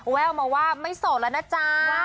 แววมาว่าไม่โสดแล้วนะจ๊ะ